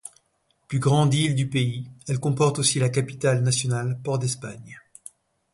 Plus grande île du pays, elle comporte aussi la capitale nationale, Port-d'Espagne.